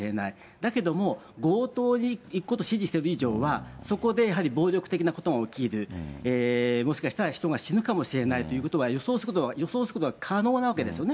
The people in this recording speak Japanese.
だけども、強盗に行くことを指示している以上は、そこでやはり暴力的なことが起きる、もしかしたら人が死ぬかもしれないということは、予想することは可能なわけですよね。